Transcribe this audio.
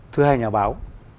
thưa hai nhà báo